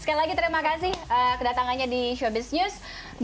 sekali lagi terima kasih kedatangannya di show business news